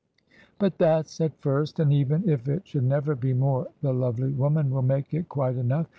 But that's at first, and even if it should never be more the lovely woman will make it quite enough.